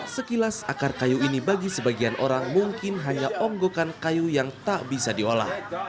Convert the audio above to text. sekilas akar kayu ini bagi sebagian orang mungkin hanya onggokan kayu yang tak bisa diolah